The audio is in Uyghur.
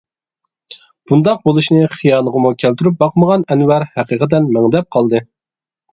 بۇنداق بولۇشىنى خىيالىغىمۇ كەلتۈرۈپ باقمىغان ئەنۋەر ھەقىقەتەن مەڭدەپ قالدى.